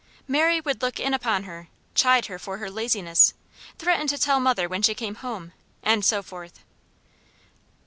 Mary would look in upon her, chide her for her laziness, threaten to tell mother when she came home, and so forth.